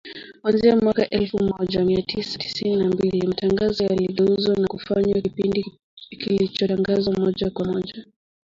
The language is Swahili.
Kuanzia mwaka elfu moja mia tisa tisini na mbili matangazo yaligeuzwa na kufanywa kipindi kilichotangazwa moja kwa moja,